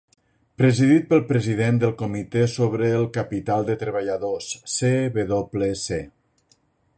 Presidit pel president del comitè sobre el capital de treballadors (CWC).